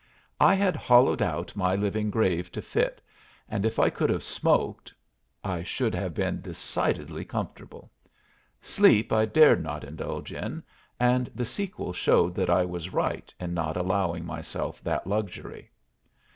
I had hollowed out my living grave to fit, and if I could have smoked, I should have been decidedly comfortable. Sleep I dared not indulge in, and the sequel showed that I was right in not allowing myself that luxury.